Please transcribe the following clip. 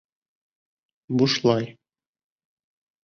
Бушлай.